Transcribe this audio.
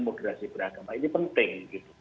moderasi beragama ini penting